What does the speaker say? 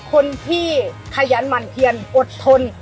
คนที่ขยันหมั่นเพียนอดทน